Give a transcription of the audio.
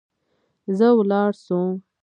زه ولاړ سوم.